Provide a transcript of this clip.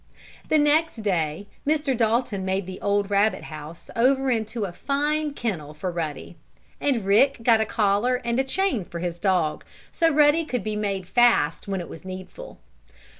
The next day Mr. Dalton made the old rabbit house over into a fine kennel for Ruddy, and Rick got a collar and chain for his dog, so Ruddy could be made fast when it was needful.